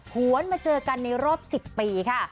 หวนมาเจอกันในรอบ๑๐ปีค่ะ